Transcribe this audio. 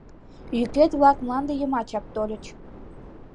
Йӱкет-влак мланде йымачак тольыч.